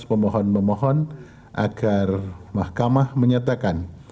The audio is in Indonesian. pemohon memohon agar mahkamah menyatakan